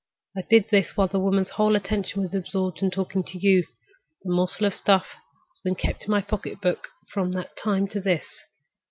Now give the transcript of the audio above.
I did this while the woman's whole attention was absorbed in talking to you. The morsel of stuff has been kept in my pocketbook from that time to this.